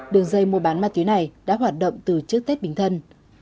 đường dây mua bán ma túy này đã hoạt động từ trước tết bính thân